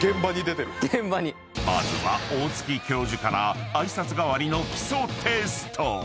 ［まずは大月教授から挨拶代わりの基礎テスト］